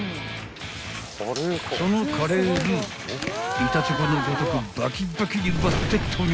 ［そのカレールウを板チョコのごとくバキバキに割って投入］